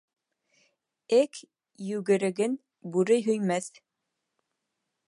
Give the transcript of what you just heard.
Эг йүгереген бүре һөймәҫ.